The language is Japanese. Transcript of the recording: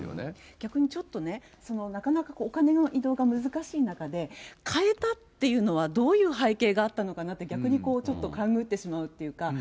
逆にちょっとね、なかなかお金の移動が難しい中で、買えたっていうのはどういう背景があったのかなって、逆にちょっとかんぐってしまうっていうか。